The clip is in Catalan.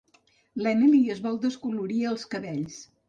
L'Emily es vol descolorir els cabells.